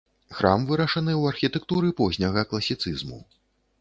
Храм вырашаны ў архітэктуры позняга класіцызму.